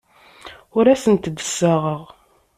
Ur asent-d-ssaɣeɣ.